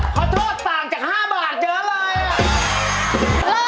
ขอโทษต่างจาก๕บาทเจออะไรอ่ะ